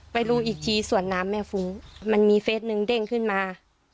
รู้อีกทีสวนน้ำแม่ฟุ้งมันมีเฟสหนึ่งเด้งขึ้นมา